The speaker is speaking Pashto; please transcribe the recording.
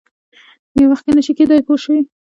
په یو وخت کې نه شي کېدای پوه شوې!.